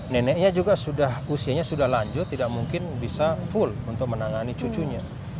neneknya juga usianya sudah lanjut tidak mungkin bisa full untuk menangani cucunya